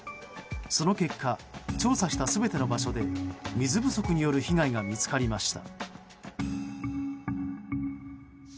その結果調査した全ての場所で水不足による被害が見つかりました。